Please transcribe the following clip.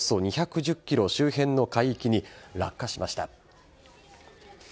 およそ２１０ｋｍ周辺の海域に落下しました。